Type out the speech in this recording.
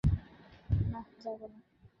নাহ, যাবো না।